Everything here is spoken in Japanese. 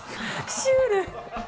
シュール。